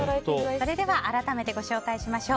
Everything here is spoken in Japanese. それでは改めてご紹介しましょう。